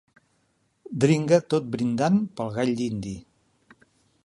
Dringa tot brindant pel gall dindi.